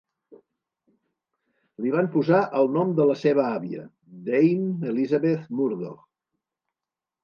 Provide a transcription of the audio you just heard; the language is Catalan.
Li van posar el nom de la seva àvia, Dame Elisabeth Murdoch.